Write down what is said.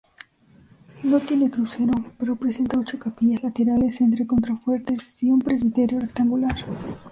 No tiene crucero, pero presenta ocho capillas laterales entre contrafuertes y un presbiterio rectangular.